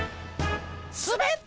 すべった！